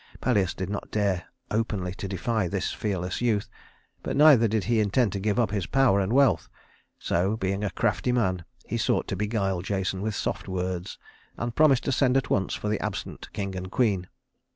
Pelias did not dare openly to defy this fearless youth, but neither did he intend to give up his power and wealth; so being a crafty man he sought to beguile Jason with soft words, and promised to send at once for the absent king and queen.